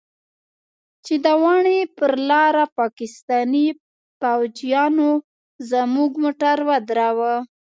چې د واڼې پر لاره پاکستاني فوجيانو زموږ موټر ودراوه.